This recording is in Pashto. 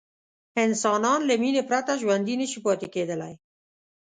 انسانان له مینې پرته ژوندي نه شي پاتې کېدلی.